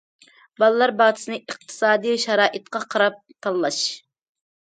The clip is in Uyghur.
بالىلار باغچىسىنى ئىقتىسادى شارائىتقا قاراپ تاللاش.